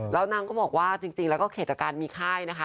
แล้วนางก็บอกว่าจริงแล้วก็เขตการมีค่ายนะคะ